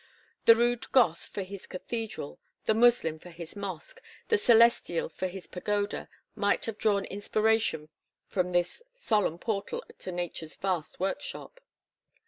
The rude Goth for his cathedral, the Moslem for his mosque, the Celestial for his pagoda, might have drawn inspiration from this solemn portal to Nature's vast workshop.